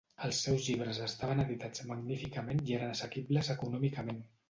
Els seus llibres estaven editats magníficament i eren assequibles econòmicament.